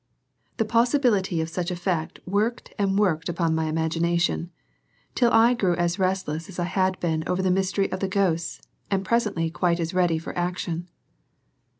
the possibility of such a fact worked and worked upon my imagination till I grew as restless as I had been over the mystery of the ghosts and presently quite as ready for action.